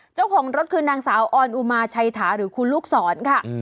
เจ้าของรถคือนางสาวออนอุมาชัยถาหรือคุณลูกศรค่ะ